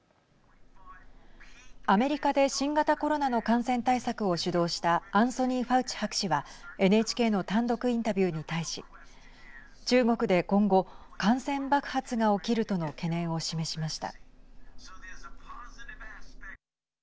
アメリカで新型コロナの感染対策を主導したアンソニー・ファウチ博士はＮＨＫの単独インタビューに対し中国で今後感染爆発が起きるとの懸念を示しました。